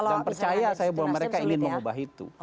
dan percaya saya bahwa mereka ingin mengubah itu